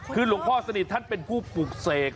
คือหลวงพ่อสนิทท่านเป็นผู้ปลูกเสก